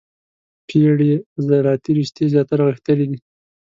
پېړې عضلاتي رشتې زیاتره غښتلي دي.